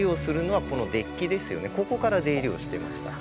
ここから出入りをしてました。